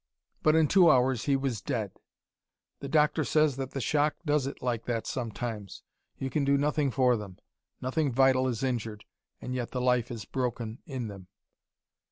But in two hours he was dead. The doctor says that the shock does it like that sometimes. You can do nothing for them. Nothing vital is injured and yet the life is broken in them.